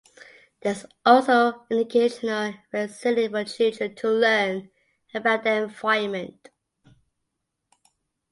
There is also an educational facility for children to learn about the environment.